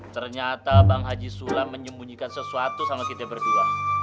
ternyata bang haji sula menyembunyikan sesuatu sama kita berdua